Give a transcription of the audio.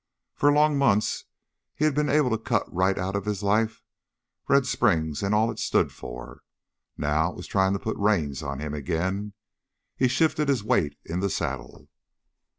For long months he had been able to cut right out of his life Red Springs and all it stood for; now it was trying to put reins on him again. He shifted his weight in the saddle.